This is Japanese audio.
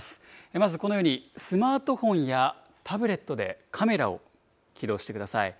まずこのようにスマートフォンやタブレットでカメラを起動してください。